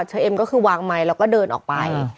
เธอเอ็มก็คือวางไม้เราก็เดินออกไป